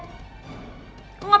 kok semuanya ditaro di dalam jaket